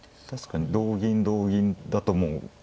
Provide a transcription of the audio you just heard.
確かに同銀同銀だともう。